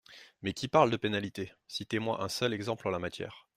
Mais qui parle de pénalités ? Citez-moi un seul exemple en la matière.